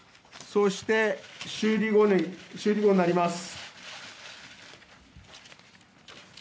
そして、修理後になります。